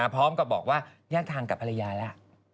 พร้อมกับบอกว่าแยกทางกับภรรยาแล้ว